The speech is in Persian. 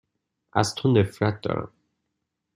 از تو نفرت دارم.